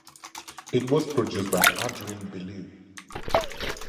It was produced by Adrian Belew.